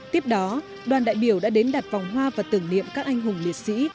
tiếp đó đoàn đại biểu đã đến đặt vòng hoa và tưởng niệm các anh hùng liệt sĩ